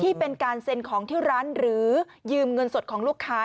ที่เป็นการเซ็นของที่ร้านหรือยืมเงินสดของลูกค้า